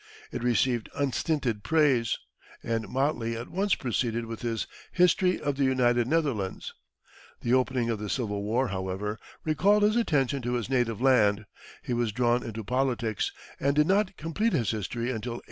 It received unstinted praise, and Motley at once proceeded with his "History of the United Netherlands." The opening of the Civil War, however, recalled his attention to his native land, he was drawn into politics, and did not complete his history until 1868.